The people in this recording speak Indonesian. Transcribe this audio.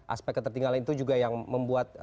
aspek ketertinggalan itu juga yang membuat